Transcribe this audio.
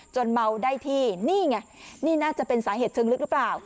เมาได้ที่นี่ไงนี่น่าจะเป็นสาเหตุเชิงลึกหรือเปล่า